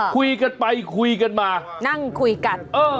คุยกันไปคุยกันมานั่งคุยกัน